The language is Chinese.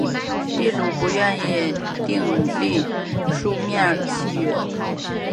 地主不愿意订立书面契约